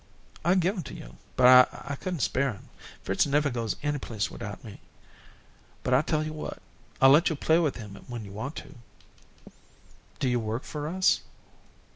"I'd give him to yo', only I couldn't spare him. Fritz never goes any place widout me. But, I'll tell yo' what: I'll let yo' play with him when yo' want to." "Do you work for us?"